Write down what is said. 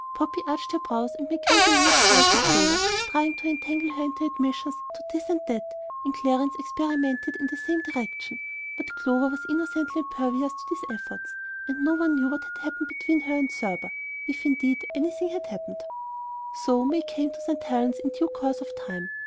Poppy arched her brows and made great amused eyes at Clover, trying to entangle her into admissions as to this or that, and Clarence experimented in the same direction; but Clover was innocently impervious to these efforts, and no one ever knew what had happened between her and Thurber, if, indeed, anything had happened. So May came to St. Helen's in due course, of time.